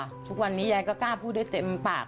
ทุกวันนี้ยายก็กล้าพูดได้เต็มปาก